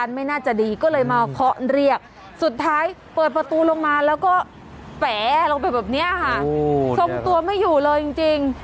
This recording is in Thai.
ทรงตัวไม่อยู่เลยจริง